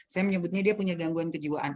saya menyebutnya dia punya gangguan kejiwaan